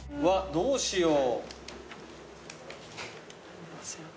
どうしよう。